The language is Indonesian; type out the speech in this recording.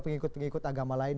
pengikut pengikut agama lain